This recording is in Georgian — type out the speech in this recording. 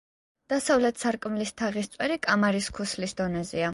დასავლეთ სარკმლის თაღის წვერი კამარის ქუსლის დონეზეა.